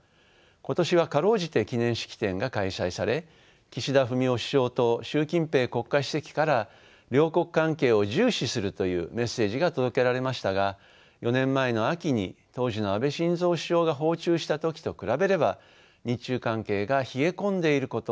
今年は辛うじて記念式典が開催され岸田文雄首相と習近平国家主席から両国関係を重視するというメッセージが届けられましたが４年前の秋に当時の安倍晋三首相が訪中した時と比べれば日中関係が冷え込んでいることは否めません。